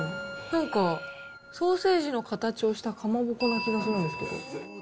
なんかソーセージの形をしたかまぼこの気がするんですけど。